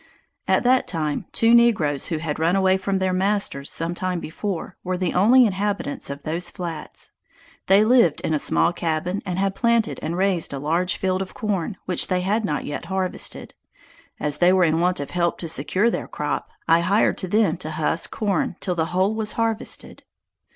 At that time, two negroes, who had run away from their masters sometime before, were the only inhabitants of those flats. They lived in a small cabin and had planted and raised a large field of corn, which they had not yet harvested. As they were in want of help to secure their crop, I hired to them to husk corn till the whole was harvested.